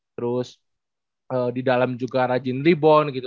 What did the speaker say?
terus di dalam juga rajin rebon gitu